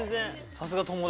さすが友達。